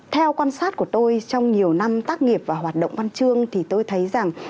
theo quan sát của tôi trong nhiều năm tác nghiệp và hoạt động văn chương thì tôi thấy rằng